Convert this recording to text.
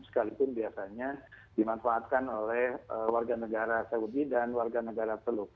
sekalipun biasanya dimanfaatkan oleh warga negara saudi dan warga negara teluk